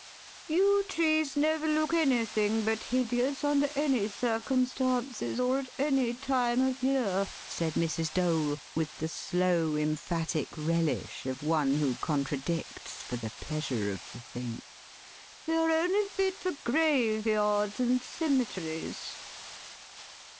"Yew trees never look anything but hideous under any circumstances or at any time of year," said Mrs. Dole, with the slow, emphatic relish of one who contradicts for the pleasure of the thing. "They are only fit for graveyards and cemeteries."